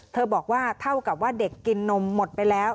บอกว่าเท่ากับว่าเด็กกินนมหมดไปแล้ว